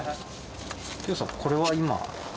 清さんこれは今？